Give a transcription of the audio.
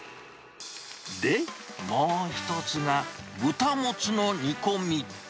で、もう１つが豚モツの煮込み。